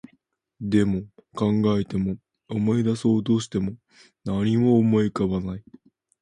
でも、考えても、思い出そうとしても、何も思い浮かばない